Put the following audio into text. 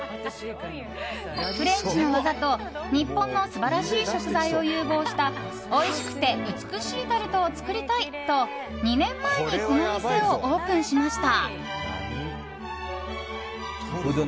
フレンチの技と日本の素晴らしい食材を融合したおいしくて美しいタルトを作りたいと２年前にこの店をオープンしました。